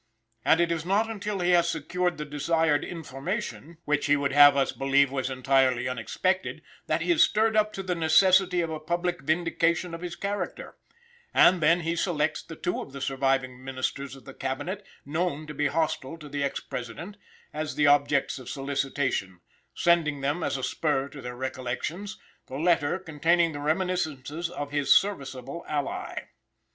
And it is not until he has secured the desired information, which he would have us believe was entirely unexpected, that he is stirred up to the necessity of a public vindication of his character; and then he selects the two of the surviving ministers of the Cabinet, known to be hostile to the ex President, as the objects of solicitation, sending them, as a spur to their recollections, the letter containing the reminiscences of his serviceable ally.